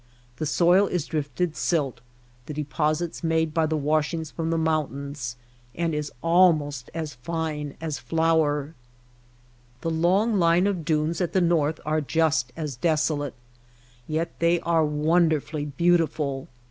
The soil is drifted silt — the deposits made by THE BOTTOM OF THE BOWL 63 the washings from the mountains — and is almost as fine as flour. The long line of dunes at the north are just as desolate, yet they are wonderfully beautiful.